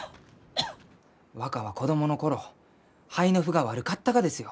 若は子どもの頃肺の腑が悪かったがですよ。